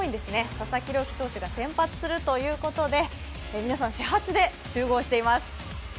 佐々木朗希投手が先発するということで、皆さん始発で集合しています。